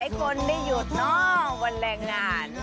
ให้คนได้หยุดเนาะวันแรงงาน